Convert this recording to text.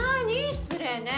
失礼ね。